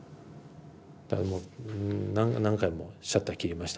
だからもう何回もシャッター切りましたね。